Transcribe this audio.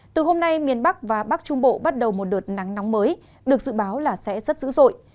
từ hôm nay miền bắc và bắc trung bộ bắt đầu một đợt nắng nóng mới được dự báo là sẽ rất dữ dội